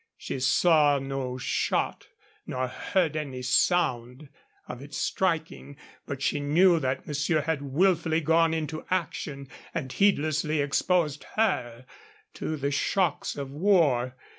She saw no shot nor heard any sound of its striking, but she knew that monsieur had willfully gone into action, and heedlessly exposed her to the shocks of war.